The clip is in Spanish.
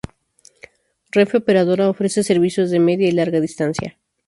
Renfe Operadora ofrece servicios de media y larga distancia.